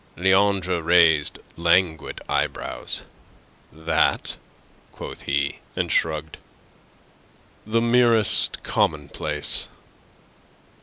Leandre raised languid eyebrows. "That?" quoth he, and shrugged. "The merest commonplace."